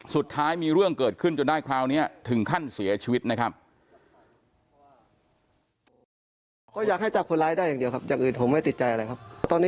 สุดท้ายมีเรื่องเกิดขึ้นจนได้คราวนี้ถึงขั้นเสียชีวิตนะครับ